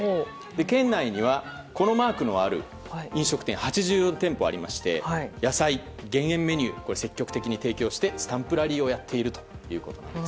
県内には、このマークのある飲食店が８４店舗ありまして野菜、減塩メニュー積極的に提供してスタンプラリーをやっているということです。